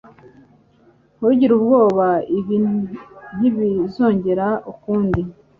Ntugire ubwoba. Ibi ntibizongera ukundi.